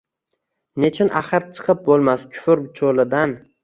Nechun axir chiqib boʼlmas kufr choʼlidan.